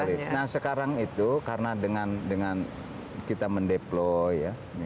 karena sekarang itu karena dengan kita mendeploy